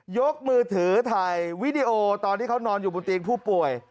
ยกมือถือถ่ายวีดีโอตอนที่เขานอนอยู่บนเตียงผู้ป่วย